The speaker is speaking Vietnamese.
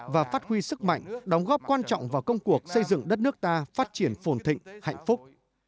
và phát huy sức mạnh đóng góp quan trọng vào công cuộc xây dựng đất nước ta phát triển phồn thịnh hạnh phúc